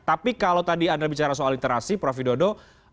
tapi kalau tadi anda bicara soal literasi prof widodo